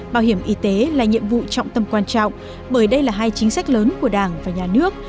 bảo hiểm y tế là nhiệm vụ trọng tâm quan trọng bởi đây là hai chính sách lớn của đảng và nhà nước